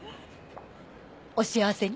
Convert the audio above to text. お幸せに。